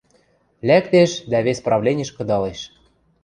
Лӓктеш дӓ вес правлениш кыдалеш.